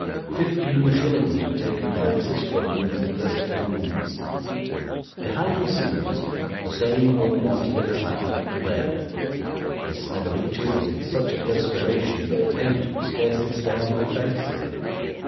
Fifteen shillings were taken by Mrs. Grudden in the first ten minutes. Behind the scenes, the same unwonted excitement prevailed. Miss Snevellicci was in such a perspiration that the paint would scarcely stay on her face.